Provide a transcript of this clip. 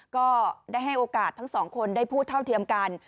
ก็ได้ให้โอกาสทั้งสองคนได้พูดเท่าเทียมกัน